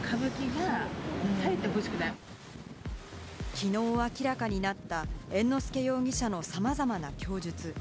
きのう明らかになった猿之助容疑者のさまざまな供述。